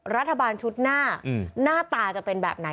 รัฐบาลชุดหน้าหน้าตาจะเป็นแบบไหน